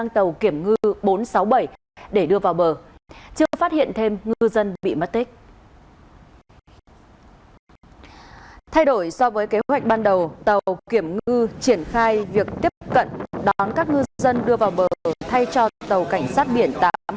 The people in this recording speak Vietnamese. tàu kiểm ngư triển khai việc tiếp cận đón các ngư dân đưa vào bờ thay cho tàu cảnh sát biển tám nghìn hai